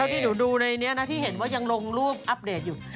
ที่หนูดูในนี้นะที่เห็นว่ายังลงรูปอัปเดตอยู่